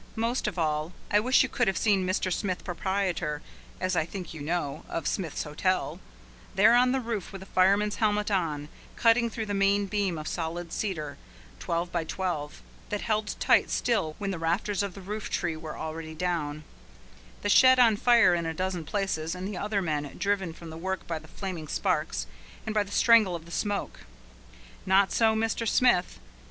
Most of all I wish you could have seen Mr. Smith, proprietor, as I think you know, of Smith's Hotel, there on the roof with a fireman's helmet on, cutting through the main beam of solid cedar, twelve by twelve, that held tight still when the rafters and the roof tree were down already, the shed on fire in a dozen places, and the other men driven from the work by the flaming sparks, and by the strangle of the smoke. Not so Mr. Smith!